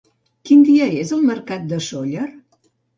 Quin dia és el mercat de Sóller?